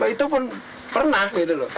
itu pun pernah